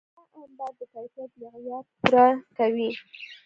دا انبار د کیفیت معیار پوره کوي.